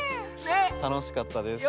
たのしかったです。